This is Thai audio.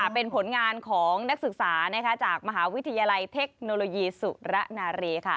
เป็นผลงานของนักศึกษาจากมหาวิทยาลัยเทคโนโลยีสุระนารี